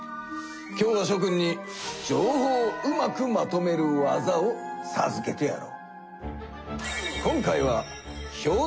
今日はしょ君に情報をうまくまとめる技をさずけてやろう。